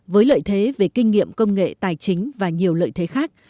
với lợi thế về kinh nghiệm công nghệ tài chính và nhiều lợi thế khác